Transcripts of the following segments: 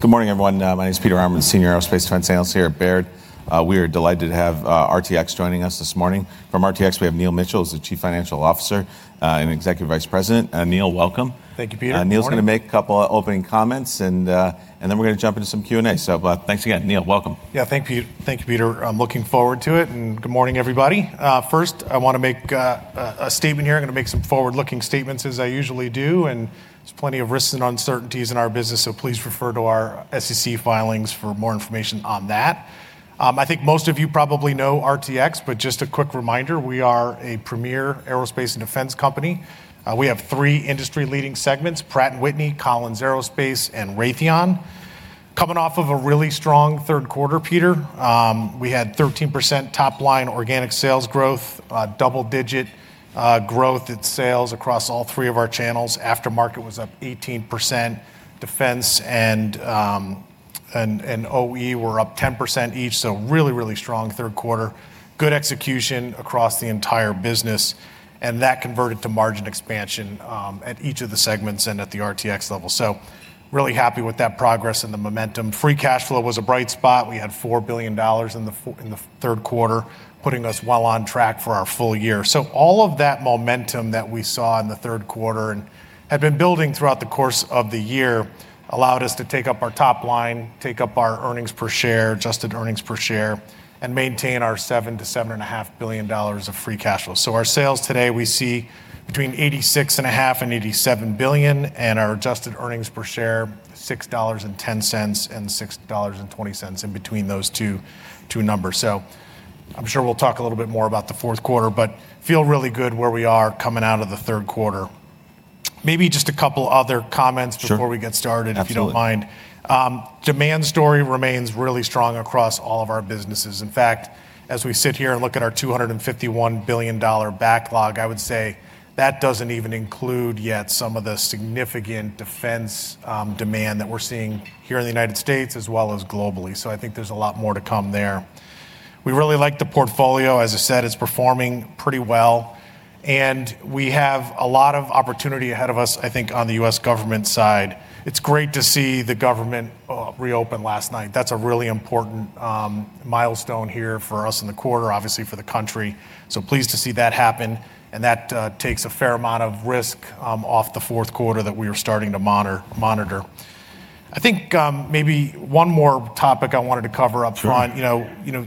Good morning, everyone. My name is Peter Arment, Senior Aerospace Defense Analyst here at Baird. We are delighted to have RTX joining us this morning. From RTX, we have Neil Mitchill as the Chief Financial Officer and Executive Vice President. Neil, welcome. Thank you, Peter. Neil's going to make a couple of opening comments, and then we're going to jump into some Q&A. Thanks again, Neil. Welcome. Yeah, thank you, Peter. I'm looking forward to it. Good morning, everybody. First, I want to make a statement here. I'm going to make some forward-looking statements, as I usually do. There's plenty of risks and uncertainties in our business, so please refer to our SEC filings for more information on that. I think most of you probably know RTX, but just a quick reminder, we are a premier aerospace and defense company. We have three industry-leading segments: Pratt & Whitney, Collins Aerospace, and Raytheon. Coming off of a really strong third quarter, Peter, we had 13% top-line organic sales growth, double-digit growth in sales across all three of our channels. Aftermarket was up 18%. Defense and OE were up 10% each, so really, really strong third quarter. Good execution across the entire business. That converted to margin expansion at each of the segments and at the RTX level. Really happy with that progress and the momentum. Free cash flow was a bright spot. We had $4 billion in the third quarter, putting us well on track for our full year. All of that momentum that we saw in the third quarter and had been building throughout the course of the year allowed us to take up our top line, take up our earnings per share, adjusted earnings per share, and maintain our $7 billion-$7.5 billion of free cash flow. Our sales today, we see between $86.5 billion and $87 billion, and our adjusted earnings per share, $6.10 and $6.20 in between those two numbers. I'm sure we'll talk a little bit more about the fourth quarter, but feel really good where we are coming out of the third quarter. Maybe just a couple of other comments before we get started, if you don't mind. Sure. Demand story remains really strong across all of our businesses. In fact, as we sit here and look at our $251 billion backlog, I would say that does not even include yet some of the significant defense demand that we are seeing here in the U.S. as well as globally. I think there is a lot more to come there. We really like the portfolio. As I said, it is performing pretty well. We have a lot of opportunity ahead of us, I think, on the U.S. government side. It is great to see the government reopen last night. That is a really important milestone here for us in the quarter, obviously for the country. Pleased to see that happen. That takes a fair amount of risk off the fourth quarter that we were starting to monitor. I think maybe one more topic I wanted to cover up front. Sure.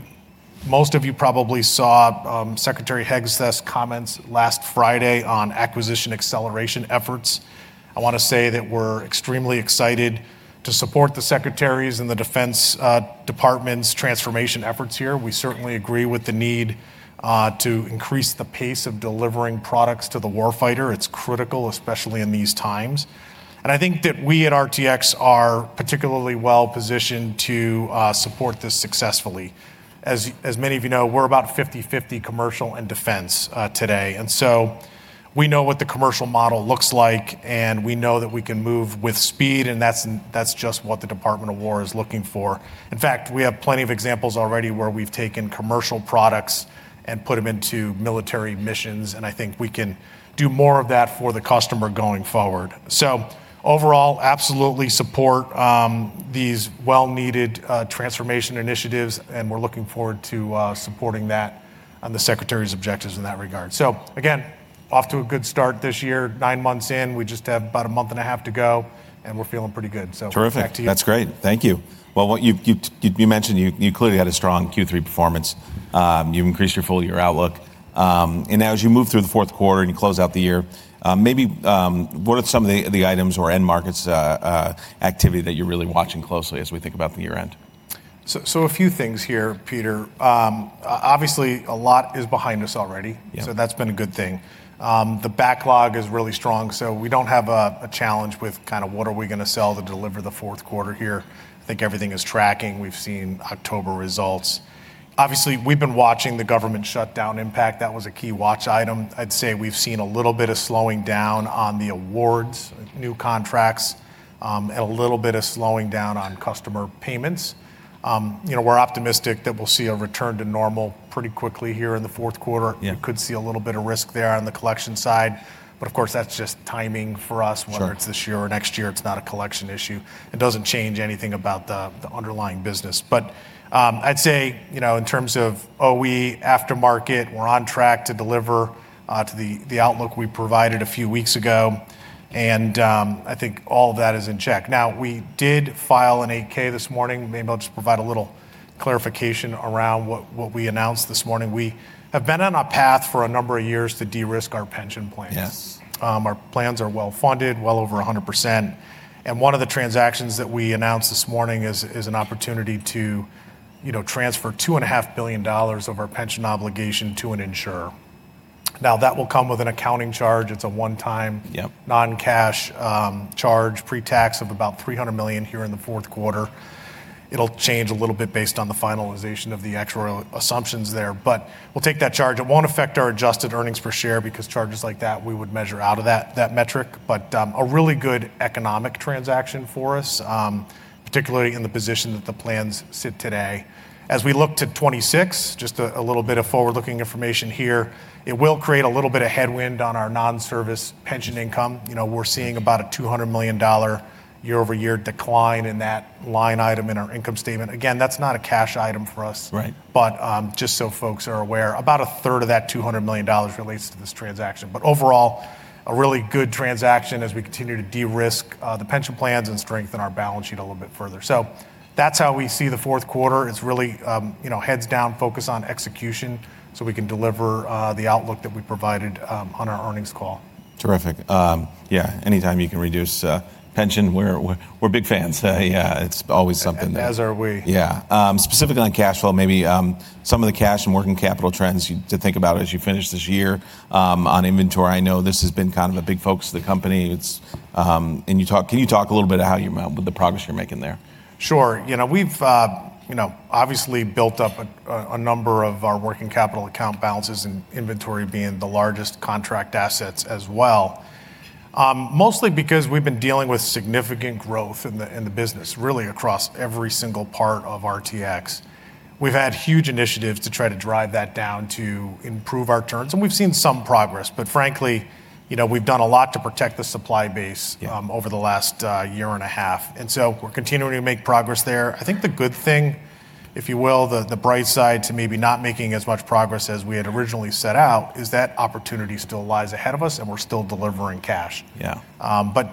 Most of you probably saw Secretary Hegseth's comments last Friday on acquisition acceleration efforts. I want to say that we're extremely excited to support the secretaries and the defense department's transformation efforts here. We certainly agree with the need to increase the pace of delivering products to the warfighter. It's critical, especially in these times. I think that we at RTX are particularly well positioned to support this successfully. As many of you know, we're about 50/50 commercial and defense today. We know what the commercial model looks like, and we know that we can move with speed, and that's just what the Department of War is looking for. In fact, we have plenty of examples already where we've taken commercial products and put them into military missions. I think we can do more of that for the customer going forward. Overall, absolutely support these well-needed transformation initiatives, and we're looking forward to supporting that on the Secretary's objectives in that regard. Again, off to a good start this year. Nine months in, we just have about a month and a half to go, and we're feeling pretty good. Terrific. Back to you. That's great. Thank you. You mentioned you clearly had a strong Q3 performance. You've increased your full-year outlook. As you move through the fourth quarter and you close out the year, maybe what are some of the items or end markets activity that you're really watching closely as we think about the year-end? A few things here, Peter. Obviously, a lot is behind us already, so that's been a good thing. The backlog is really strong, so we don't have a challenge with kind of what are we going to sell to deliver the fourth quarter here. I think everything is tracking. We've seen October results. Obviously, we've been watching the government shutdown impact. That was a key watch item. I'd say we've seen a little bit of slowing down on the awards, new contracts, and a little bit of slowing down on customer payments. We're optimistic that we'll see a return to normal pretty quickly here in the fourth quarter. We could see a little bit of risk there on the collection side. Of course, that's just timing for us. Sure. Whether it's this year or next year, it's not a collection issue. It doesn't change anything about the underlying business. I'd say in terms of OE, aftermarket, we're on track to deliver to the outlook we provided a few weeks ago. I think all of that is in check. We did file an 8-K this morning. Maybe I'll just provide a little clarification around what we announced this morning. We have been on a path for a number of years to de-risk our pension plans. Yes. Our plans are well-funded, well over 100%. One of the transactions that we announced this morning is an opportunity to transfer $2.5 billion of our pension obligation to an insurer. That will come with an accounting charge. It's a one-time non-cash charge, pre-tax of about $300 million here in the fourth quarter. It will change a little bit based on the finalization of the actual assumptions there. We will take that charge. It will not affect our adjusted earnings per share because charges like that, we would measure out of that metric. A really good economic transaction for us, particularly in the position that the plans sit today. As we look to 2026, just a little bit of forward-looking information here, it will create a little bit of headwind on our non-service pension income. We're seeing about a $200 million year-over-year decline in that line item in our income statement. Again, that's not a cash item for us. Right. Just so folks are aware, about 1/3 of that $200 million relates to this transaction. Overall, a really good transaction as we continue to de-risk the pension plans and strengthen our balance sheet a little bit further. That is how we see the fourth quarter. It is really heads down, focus on execution so we can deliver the outlook that we provided on our earnings call. Terrific. Yeah, anytime you can reduce pension, we're big fans. It's always something. As are we. Yeah. Specifically on cash flow, maybe some of the cash and working capital trends to think about as you finish this year on inventory. I know this has been kind of a big focus of the company. Can you talk a little bit about the progress you're making there? Sure. We've obviously built up a number of our working capital account balances and inventory being the largest, contract assets as well, mostly because we've been dealing with significant growth in the business, really across every single part of RTX. We've had huge initiatives to try to drive that down to improve our turns. We've seen some progress. Frankly, we've done a lot to protect the supply base over the last year and a half. We are continuing to make progress there. I think the good thing, if you will, the bright side to maybe not making as much progress as we had originally set out, is that opportunity still lies ahead of us, and we're still delivering cash. Yeah.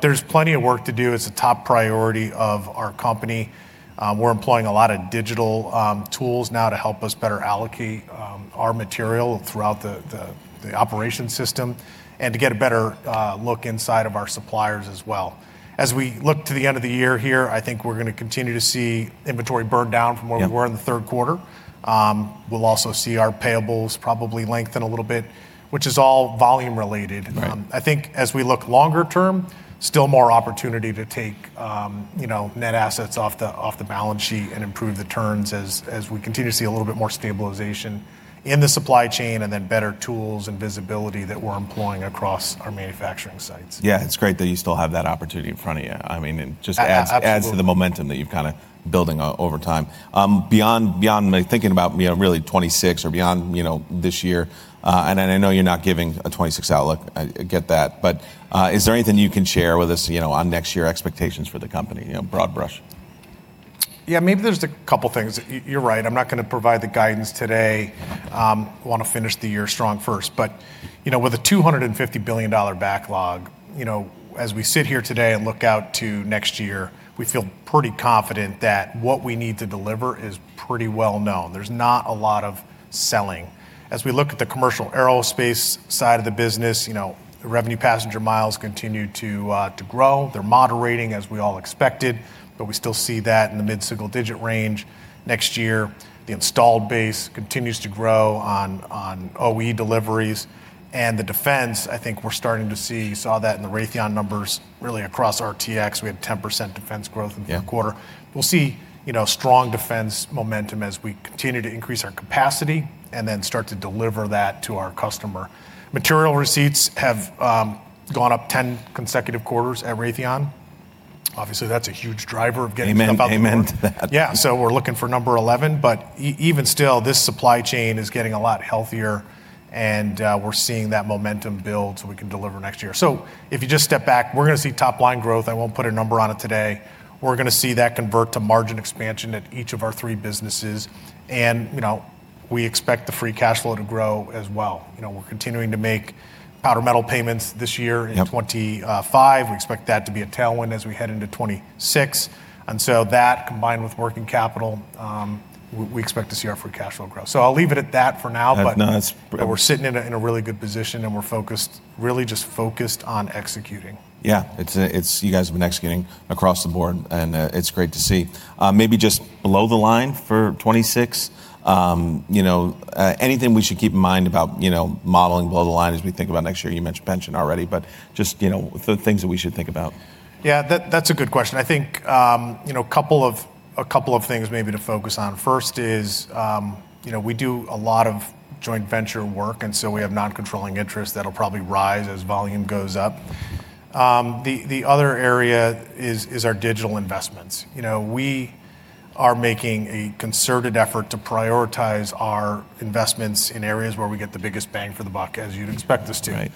There is plenty of work to do. It's a top priority of our company. We're employing a lot of digital tools now to help us better allocate our material throughout the operation system and to get a better look inside of our suppliers as well. As we look to the end of the year here, I think we're going to continue to see inventory burn down from where we were in the third quarter. We'll also see our payables probably lengthen a little bit, which is all volume-related. Right. I think as we look longer term, still more opportunity to take net assets off the balance sheet and improve the turns as we continue to see a little bit more stabilization in the supply chain and then better tools and visibility that we're employing across our manufacturing sites. Yeah, it's great that you still have that opportunity in front of you. I mean, it just adds to the momentum that you've kind of been building over time. Beyond thinking about really 2026 or beyond this year, and I know you're not giving a 2026 outlook. I get that. Is there anything you can share with us on next year expectations for the company, broad brush? Yeah, maybe there's a couple of things. You're right. I'm not going to provide the guidance today. I want to finish the year strong first. With a $250 billion backlog, as we sit here today and look out to next year, we feel pretty confident that what we need to deliver is pretty well known. There's not a lot of selling. As we look at the commercial aerospace side of the business, revenue passenger miles continue to grow. They're moderating, as we all expected, but we still see that in the mid-single-digit range next year. The installed base continues to grow on OE deliveries. The defense, I think we're starting to see—we saw that in the Raytheon numbers really across RTX. We had 10% defense growth in the fourth quarter. We'll see strong defense momentum as we continue to increase our capacity and then start to deliver that to our customer. Material receipts have gone up 10 consecutive quarters at Raytheon. Obviously, that's a huge driver of getting something out there. Amen. Amen. Yeah. We are looking for number 11. Even still, this supply chain is getting a lot healthier, and we are seeing that momentum build so we can deliver next year. If you just step back, we are going to see top-line growth. I will not put a number on it today. We are going to see that convert to margin expansion at each of our three businesses. We expect the free cash flow to grow as well. We are continuing to make powder metal payments this year and in 2025. We expect that to be a tailwind as we head into 2026. That, combined with working capital, we expect to see our free cash flow grow. I will leave it at that for now. No, that's great. We're sitting in a really good position, and we're really just focused on executing. Yeah. You guys have been executing across the board, and it's great to see. Maybe just below the line for 2026, anything we should keep in mind about modeling below the line as we think about next year? You mentioned pension already, but just the things that we should think about. Yeah, that's a good question. I think a couple of things maybe to focus on. First is we do a lot of joint venture work, and so we have non-controlling interest that'll probably rise as volume goes up. The other area is our digital investments. We are making a concerted effort to prioritize our investments in areas where we get the biggest bang for the buck, as you'd expect us to.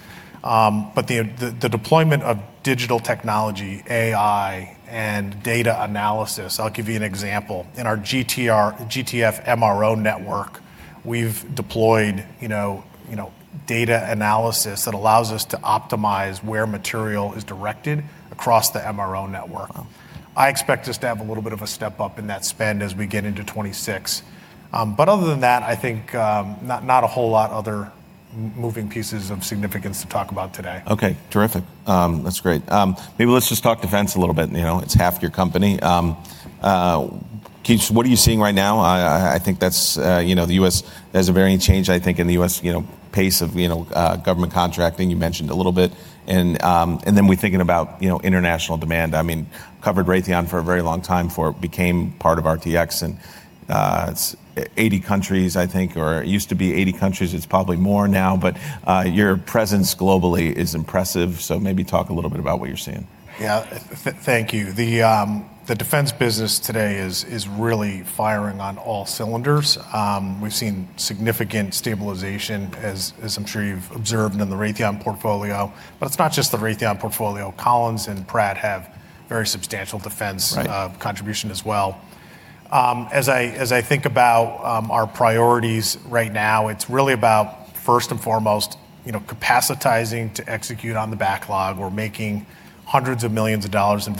The deployment of digital technology, AI, and data analysis—I'll give you an example. In our GTF MRO network, we've deployed data analysis that allows us to optimize where material is directed across the MRO network. I expect us to have a little bit of a step up in that spend as we get into 2026. Other than that, I think not a whole lot of other moving pieces of significance to talk about today. Okay. Terrific. That's great. Maybe let's just talk defense a little bit. It's half your company. What are you seeing right now? I think the U.S. has a very change, I think, in the U.S. pace of government contracting. You mentioned a little bit. I mean, covered Raytheon for a very long time before it became part of RTX. And it's 80 countries, I think, or it used to be 80 countries. It's probably more now. Your presence globally is impressive. Maybe talk a little bit about what you're seeing. Yeah. Thank you. The defense business today is really firing on all cylinders. We've seen significant stabilization, as I'm sure you've observed in the Raytheon portfolio. It's not just the Raytheon portfolio. Collins and Pratt have very substantial defense contribution as well. As I think about our priorities right now, it's really about, first and foremost, capacitizing to execute on the backlog. We're making hundreds of millions of dollars of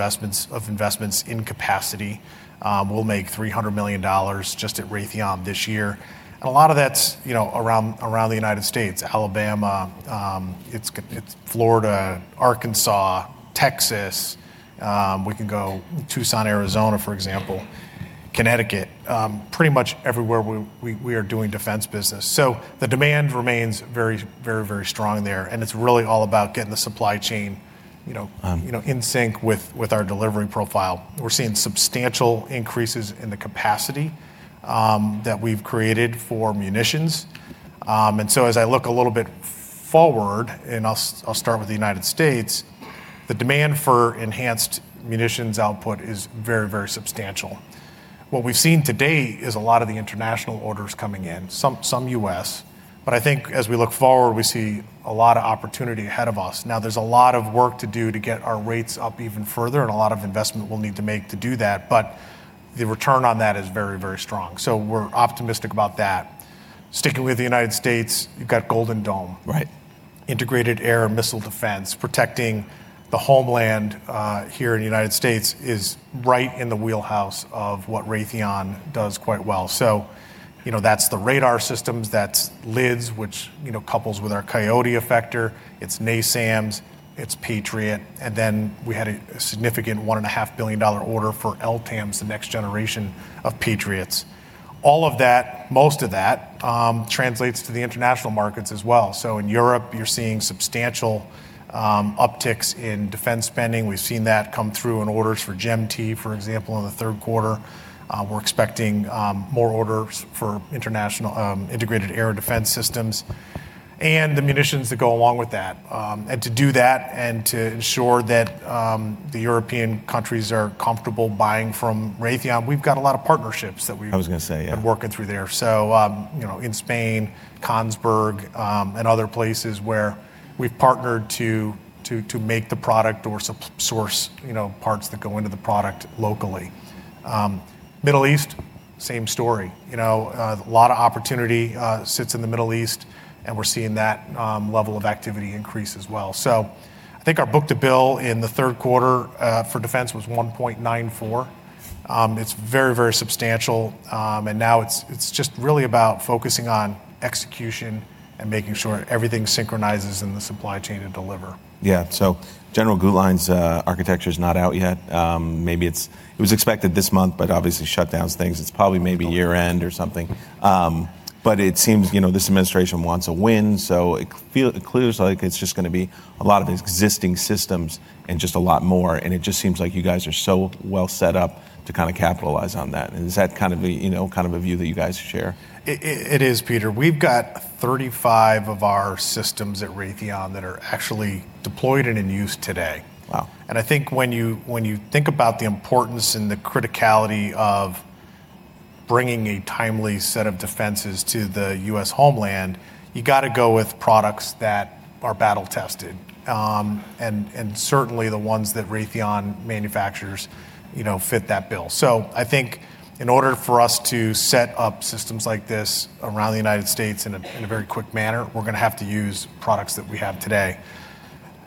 investments in capacity. We'll make $300 million just at Raytheon this year. A lot of that's around the United States: Alabama, Florida, Arkansas, Texas. We can go Tucson, Arizona, for example, Connecticut, pretty much everywhere we are doing defense business. The demand remains very, very, very strong there. It's really all about getting the supply chain in sync with our delivery profile. We're seeing substantial increases in the capacity that we've created for munitions. As I look a little bit forward, and I'll start with the United States, the demand for enhanced munitions output is very, very substantial. What we've seen to date is a lot of the international orders coming in, some U.S. But I think as we look forward, we see a lot of opportunity ahead of us. Now, there's a lot of work to do to get our rates up even further, and a lot of investment we'll need to make to do that. The return on that is very, very strong. We're optimistic about that. Sticking with the United States, you've got Golden Dome. Right. Integrated air and missile defense. Protecting the homeland here in the United States is right in the wheelhouse of what Raytheon does quite well. That is the radar systems. That is LIDS, which couples with our Coyote effector. It is NASAMS. It is Patriot. Then we had a significant $1.5 billion order for LTAMDS, the next generation of Patriots. All of that, most of that, translates to the international markets as well. In Europe, you are seeing substantial upticks in defense spending. We have seen that come through in orders for GEM-T, for example, in the third quarter. We are expecting more orders for integrated air defense systems and the munitions that go along with that. To do that and to ensure that the European countries are comfortable buying from Raytheon, we have got a lot of partnerships that we have. I was going to say, yeah. Been working through there. In Spain, Kongsberg, and other places where we've partnered to make the product or source parts that go into the product locally. Middle East, same story. A lot of opportunity sits in the Middle East, and we're seeing that level of activity increase as well. I think our book-to-bill in the third quarter for defense was 1.94. It's very, very substantial. Now it's just really about focusing on execution and making sure everything synchronizes in the supply chain to deliver. Yeah. General Guetlein's architecture is not out yet. Maybe it was expected this month, but obviously shutdowns, things. It's probably maybe year-end or something. It seems this administration wants a win. It appears like it's just going to be a lot of existing systems and just a lot more. It just seems like you guys are so well set up to kind of capitalize on that. Is that kind of a view that you guys share? It is, Peter. We've got 35 of our systems at Raytheon that are actually deployed and in use today. Wow. I think when you think about the importance and the criticality of bringing a timely set of defenses to the U.S. homeland, you've got to go with products that are battle-tested and certainly the ones that Raytheon manufactures fit that bill. I think in order for us to set up systems like this around the United States in a very quick manner, we're going to have to use products that we have today.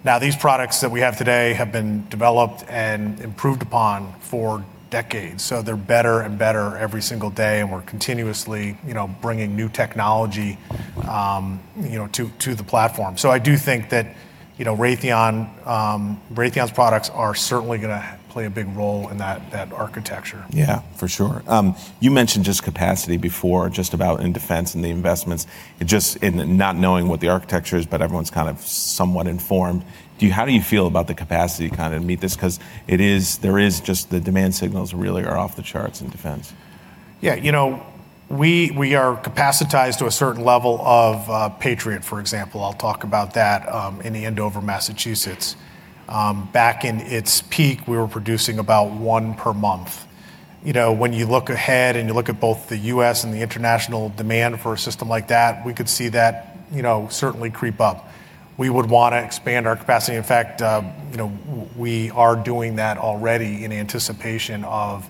Now, these products that we have today have been developed and improved upon for decades. They're better and better every single day. We're continuously bringing new technology to the platform. I do think that Raytheon's products are certainly going to play a big role in that architecture. Yeah, for sure. You mentioned just capacity before, just about in defense and the investments, just in not knowing what the architecture is, but everyone's kind of somewhat informed. How do you feel about the capacity kind of to meet this? Because there is just the demand signals really are off the charts in defense. Yeah. You know, we are capacitized to a certain level of Patriot, for example. I'll talk about that in Andover, Massachusetts. Back in its peak, we were producing about one per month. When you look ahead and you look at both the U.S. and the international demand for a system like that, we could see that certainly creep up. We would want to expand our capacity. In fact, we are doing that already in anticipation of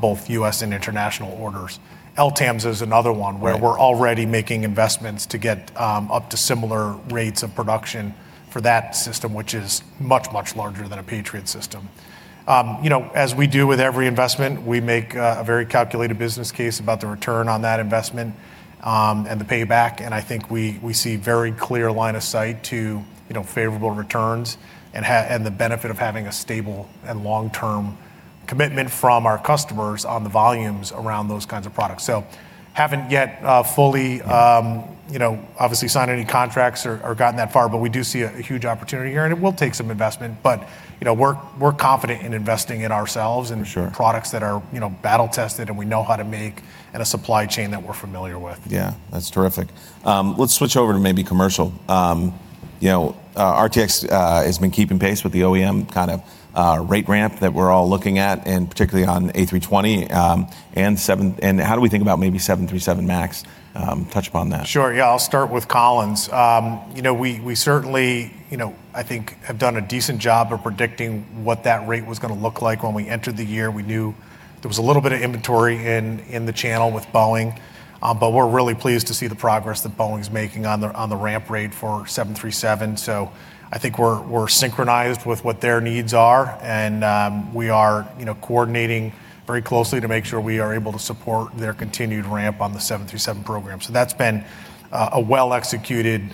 both U.S. and international orders. LTAMDS is another one where we're already making investments to get up to similar rates of production for that system, which is much, much larger than a Patriot system. As we do with every investment, we make a very calculated business case about the return on that investment and the payback. I think we see a very clear line of sight to favorable returns and the benefit of having a stable and long-term commitment from our customers on the volumes around those kinds of products. We have not yet fully, obviously, signed any contracts or gotten that far, but we do see a huge opportunity here. It will take some investment, but we are confident in investing in ourselves and products that are battle-tested and we know how to make and a supply chain that we are familiar with. Yeah, that's terrific. Let's switch over to maybe commercial. RTX has been keeping pace with the OEM kind of rate ramp that we're all looking at, and particularly on A320. How do we think about maybe 737 MAX? Touch upon that. Sure. Yeah, I'll start with Collins. We certainly, I think, have done a decent job of predicting what that rate was going to look like when we entered the year. We knew there was a little bit of inventory in the channel with Boeing, but we're really pleased to see the progress that Boeing's making on the ramp rate for 737. I think we're synchronized with what their needs are. We are coordinating very closely to make sure we are able to support their continued ramp on the 737 program. That's been a well-executed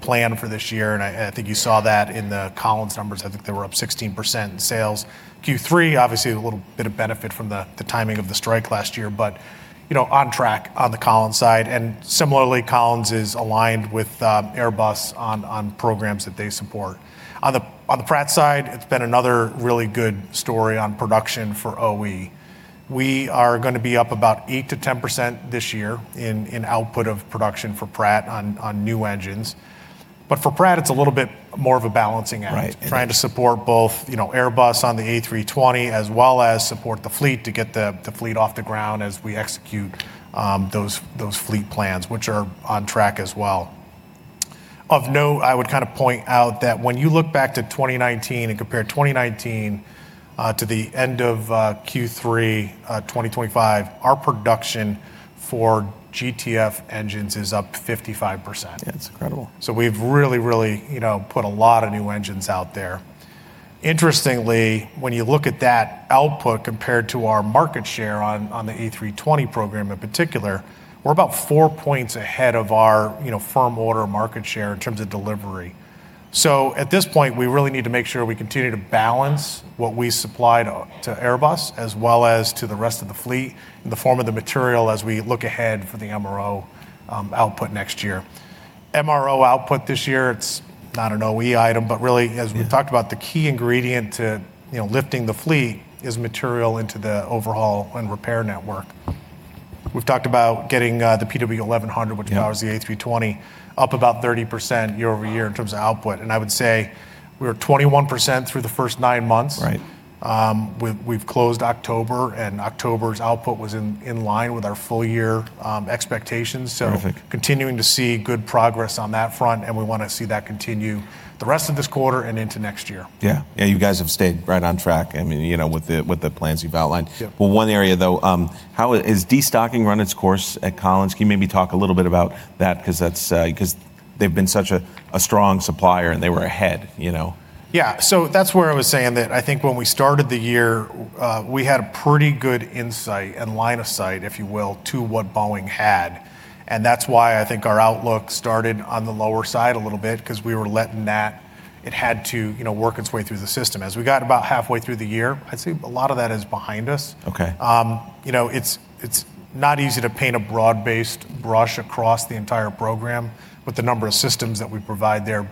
plan for this year. I think you saw that in the Collins numbers. I think they were up 16% in sales. Q3, obviously, a little bit of benefit from the timing of the strike last year, but on track on the Collins side. Similarly, Collins is aligned with Airbus on programs that they support. On the Pratt side, it's been another really good story on production for OE. We are going to be up about 8%-10% this year in output of production for Pratt on new engines. For Pratt, it's a little bit more of a balancing act, trying to support both Airbus on the A320 as well as support the fleet to get the fleet off the ground as we execute those fleet plans, which are on track as well. Of note, I would kind of point out that when you look back to 2019 and compare 2019 to the end of Q3 2025, our production for GTF engines is up 55%. Yeah, it's incredible. We've really, really put a lot of new engines out there. Interestingly, when you look at that output compared to our market share on the A320 program in particular, we're about four points ahead of our firm order market share in terms of delivery. At this point, we really need to make sure we continue to balance what we supply to Airbus as well as to the rest of the fleet in the form of the material as we look ahead for the MRO output next year. MRO output this year, it's not an OE item, but really, as we've talked about, the key ingredient to lifting the fleet is material into the overhaul and repair network. We've talked about getting the PW-1100, which powers the A320, up about 30% year-over-year in terms of output. I would say we were 21% through the first nine months. Right. We've closed October, and October's output was in line with our full-year expectations. Terrific. Continuing to see good progress on that front, and we want to see that continue the rest of this quarter and into next year. Yeah. Yeah, you guys have stayed right on track, I mean, with the plans you've outlined. One area, though, is destocking run its course at Collins. Can you maybe talk a little bit about that? Because they've been such a strong supplier and they were ahead. Yeah. That is where I was saying that I think when we started the year, we had a pretty good insight and line of sight, if you will, to what Boeing had. That is why I think our outlook started on the lower side a little bit because we were letting that, it had to work its way through the system. As we got about halfway through the year, I would say a lot of that is behind us. Okay. It's not easy to paint a broad-based brush across the entire program with the number of systems that we provide there.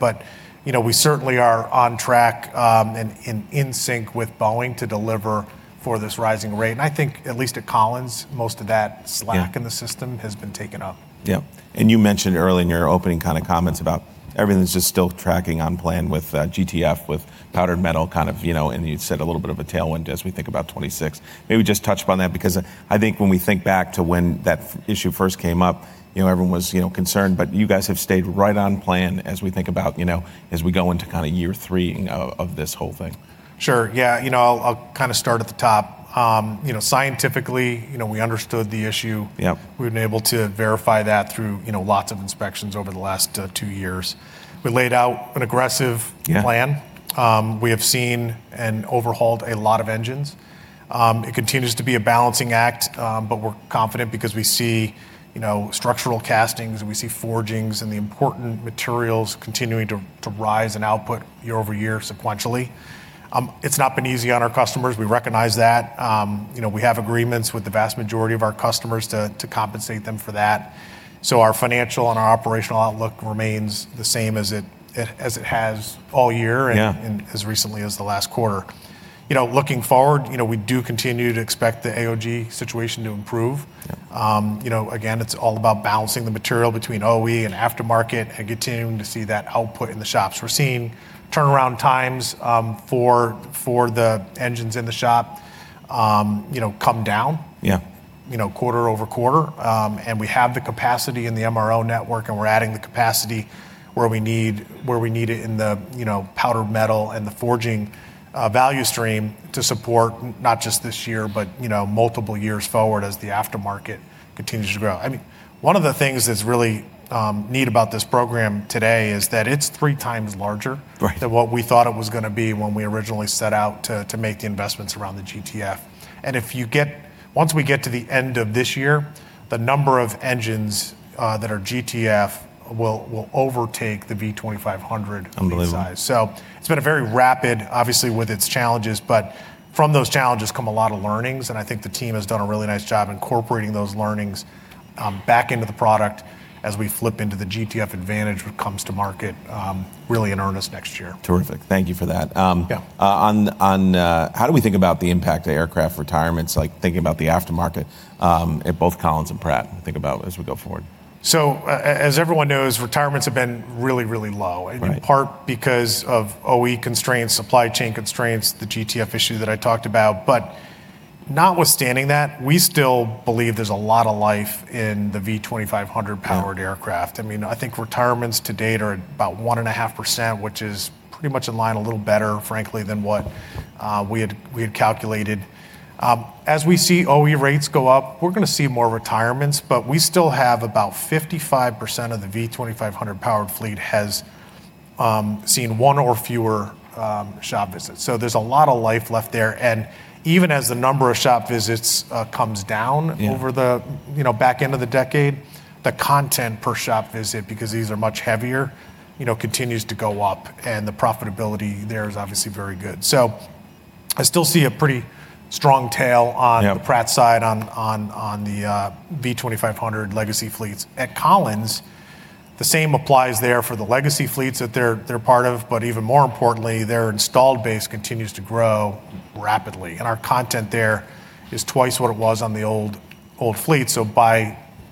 We certainly are on track and in sync with Boeing to deliver for this rising rate. I think at least at Collins, most of that slack in the system has been taken up. Yeah. You mentioned earlier in your opening kind of comments about everything's just still tracking on plan with GTF, with powder metal kind of, and you said a little bit of a tailwind as we think about 2026. Maybe just touch upon that because I think when we think back to when that issue first came up, everyone was concerned. You guys have stayed right on plan as we think about, as we go into kind of year three of this whole thing. Sure. Yeah. You know, I'll kind of start at the top. Scientifically, we understood the issue. We've been able to verify that through lots of inspections over the last two years. We laid out an aggressive plan. We have seen and overhauled a lot of engines. It continues to be a balancing act, but we're confident because we see structural castings, and we see forgings, and the important materials continuing to rise in output year-over-year sequentially. It's not been easy on our customers. We recognize that. We have agreements with the vast majority of our customers to compensate them for that. So our financial and our operational outlook remains the same as it has all year and as recently as the last quarter. Looking forward, we do continue to expect the AOG situation to improve. Again, it's all about balancing the material between OE and aftermarket and continuing to see that output in the shops. We're seeing turnaround times for the engines in the shop come down quarter over quarter. We have the capacity in the MRO network, and we're adding the capacity where we need it in the powder metal and the forging value stream to support not just this year, but multiple years forward as the aftermarket continues to grow. I mean, one of the things that's really neat about this program today is that it's 3x larger than what we thought it was going to be when we originally set out to make the investments around the GTF. If you get, once we get to the end of this year, the number of engines that are GTF will overtake the V2500 in size. Unbelievable. It has been a very rapid, obviously, with its challenges, but from those challenges come a lot of learnings. I think the team has done a really nice job incorporating those learnings back into the product as we flip into the GTF advantage when it comes to market, really in earnest next year. Terrific. Thank you for that. How do we think about the impact of aircraft retirements, like thinking about the aftermarket at both Collins and Pratt? Think about as we go forward. As everyone knows, retirements have been really, really low, in part because of OE constraints, supply chain constraints, the GTF issue that I talked about. Notwithstanding that, we still believe there's a lot of life in the V2500 powered aircraft. I mean, I think retirements to date are about 1.5%, which is pretty much in line, a little better, frankly, than what we had calculated. As we see OE rates go up, we're going to see more retirements, but we still have about 55% of the V2500 powered fleet has seen one or fewer shop visits. There's a lot of life left there. Even as the number of shop visits comes down over the back end of the decade, the content per shop visit, because these are much heavier, continues to go up. The profitability there is obviously very good. I still see a pretty strong tail on the Pratt side on the V2500 legacy fleets. At Collins, the same applies there for the legacy fleets that they're part of, but even more importantly, their installed base continues to grow rapidly. Our content there is twice what it was on the old fleet.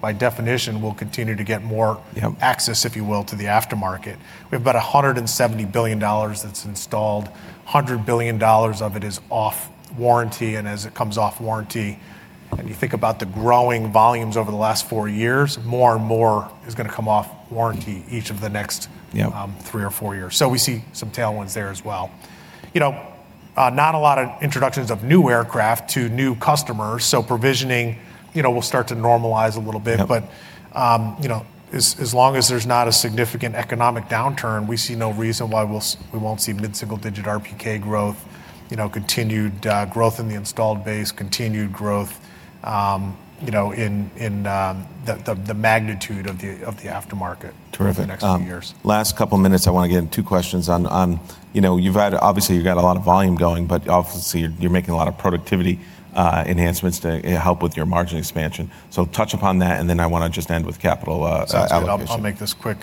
By definition, we'll continue to get more access, if you will, to the aftermarket. We have about $170 billion that's installed. $100 billion of it is off warranty. As it comes off warranty, and you think about the growing volumes over the last four years, more and more is going to come off warranty each of the next three or four years. We see some tailwinds there as well. Not a lot of introductions of new aircraft to new customers, so provisioning will start to normalize a little bit. As long as there's not a significant economic downturn, we see no reason why we won't see mid-single digit RPK growth, continued growth in the installed base, continued growth in the magnitude of the aftermarket in the next few years. Terrific. Last couple of minutes, I want to get in two questions on, obviously, you've got a lot of volume going, but obviously, you're making a lot of productivity enhancements to help with your margin expansion. Touch upon that, and then I want to just end with capital output. I'll make this quick.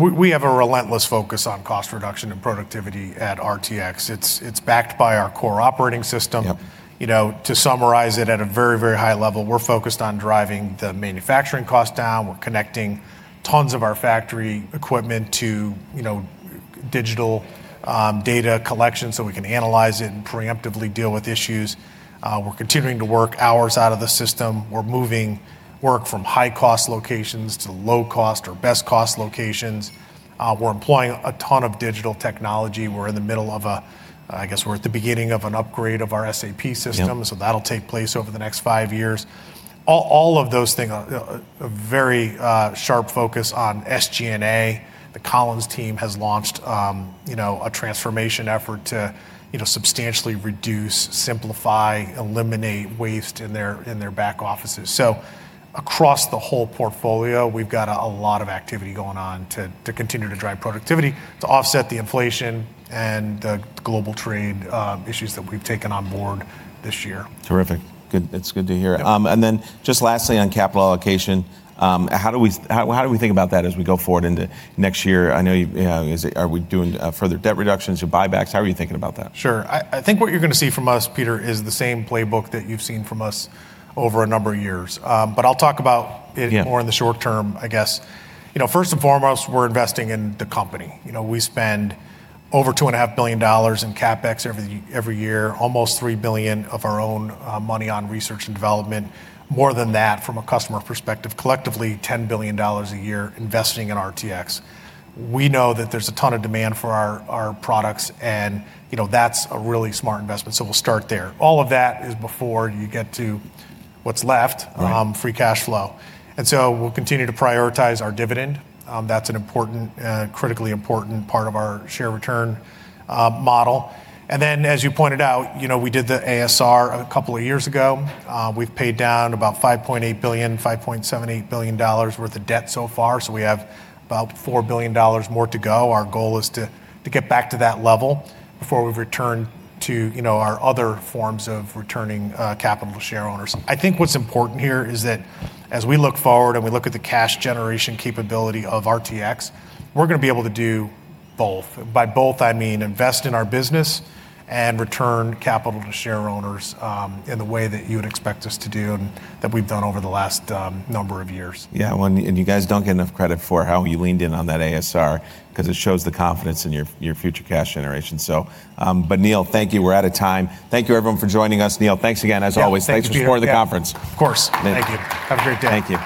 We have a relentless focus on cost reduction and productivity at RTX. It's backed by our core operating system. To summarize it at a very, very high level, we're focused on driving the manufacturing cost down. We're connecting tons of our factory equipment to digital data collection so we can analyze it and preemptively deal with issues. We're continuing to work hours out of the system. We're moving work from high-cost locations to low-cost or best-cost locations. We're employing a ton of digital technology. We're in the middle of a, I guess we're at the beginning of an upgrade of our SAP system. That'll take place over the next five years. All of those things, a very sharp focus on SG&A. The Collins team has launched a transformation effort to substantially reduce, simplify, eliminate waste in their back offices. Across the whole portfolio, we've got a lot of activity going on to continue to drive productivity, to offset the inflation and the global trade issues that we've taken on board this year. Terrific. It is good to hear. Lastly, on capital allocation, how do we think about that as we go forward into next year? I know, are we doing further debt reductions, your buybacks? How are you thinking about that? Sure. I think what you're going to see from us, Peter, is the same playbook that you've seen from us over a number of years. I will talk about it more in the short term, I guess. First and foremost, we're investing in the company. We spend over $2.5 billion in CapEx every year, almost $3 billion of our own money on research and development, more than that from a customer perspective, collectively $10 billion a year investing in RTX. We know that there's a ton of demand for our products, and that's a really smart investment. We will start there. All of that is before you get to what's left, free cash flow. We will continue to prioritize our dividend. That's an important, critically important part of our share return model. As you pointed out, we did the ASR a couple of years ago. We've paid down about $5.8 billion, $5.78 billion worth of debt so far. We have about $4 billion more to go. Our goal is to get back to that level before we return to our other forms of returning capital to share owners. I think what's important here is that as we look forward and we look at the cash generation capability of RTX, we're going to be able to do both. By both, I mean invest in our business and return capital to share owners in the way that you would expect us to do and that we've done over the last number of years. Yeah. You guys do not get enough credit for how you leaned in on that ASR because it shows the confidence in your future cash generation. Neil, thank you. We are out of time. Thank you, everyone, for joining us. Neil, thanks again, as always. Thanks for supporting the conference. Of course. Thank you. Have a great day. Thank you.